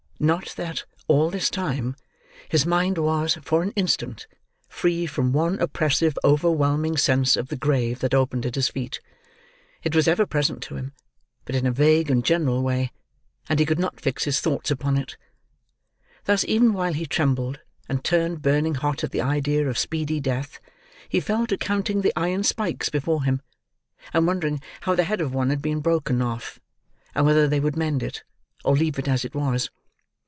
Not that, all this time, his mind was, for an instant, free from one oppressive overwhelming sense of the grave that opened at his feet; it was ever present to him, but in a vague and general way, and he could not fix his thoughts upon it. Thus, even while he trembled, and turned burning hot at the idea of speedy death, he fell to counting the iron spikes before him, and wondering how the head of one had been broken off, and whether they would mend it, or leave it as it was.